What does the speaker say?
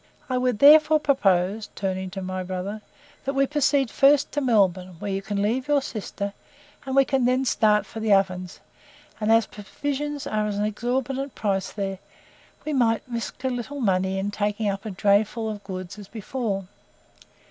I would therefore propose (turning to my brother), that we proceed first to Melbourne, where you can leave your sister, and we can then start for the Ovens; and as provisions are at an exorbitant price there, we might risk a little money in taking up a dray full of goods as before.